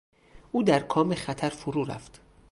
او در کام خطر فرو رفت.